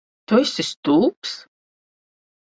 Tu esi stulbs?